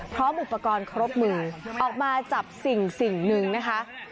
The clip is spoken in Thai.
พร้อมอุปกรณ์ครบมือออกมาจับสิ่งหนึ่งนะคะ